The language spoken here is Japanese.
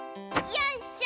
よいしょ！